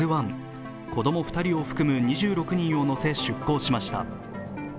子供２人を含む２６人を乗せて出航しました。